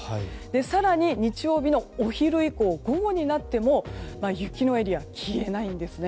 更に日曜日のお昼以降午後になっても雪のエリアは消えないんですね。